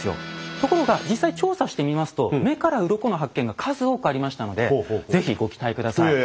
ところが実際調査してみますと目からうろこの発見が数多くありましたので是非ご期待下さい。